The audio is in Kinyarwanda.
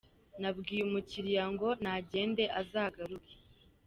Nabwiye umukiliya ngo nagende azagaruke